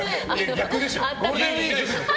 逆でしょ！